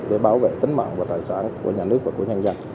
để bảo vệ tính mạng và tài sản của nhà nước và của nhân dân